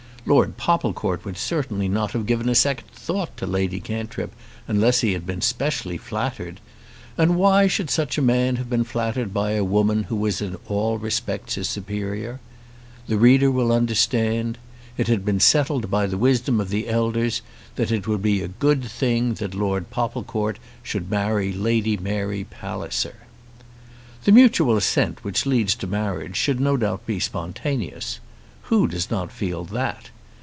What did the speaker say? Lord Popplecourt would certainly not have given a second thought to Lady Cantrip unless he had been specially flattered. And why should such a man have been flattered by a woman who was in all respects his superior? The reader will understand. It had been settled by the wisdom of the elders that it would be a good thing that Lord Popplecourt should marry Lady Mary Palliser. The mutual assent which leads to marriage should no doubt be spontaneous. Who does not feel that?